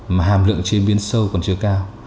mà hàm lượng chế biến sâu còn chưa cao